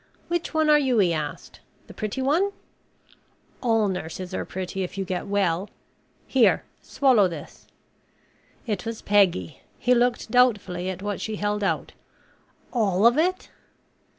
"Which one are you?" he asked. "The pretty one?" "All nurses are pretty if you get well. Here. Swallow this." It was Peggy. He looked doubtfully at what she held out. "All of it?"